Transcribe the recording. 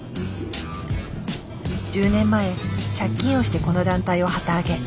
１０年前借金をしてこの団体を旗揚げ。